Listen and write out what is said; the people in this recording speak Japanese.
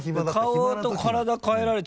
顔と体替えられる。